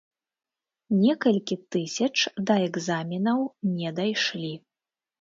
Некалькі тысяч да экзаменаў не дайшлі.